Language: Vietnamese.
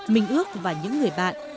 minh ước và những người bạn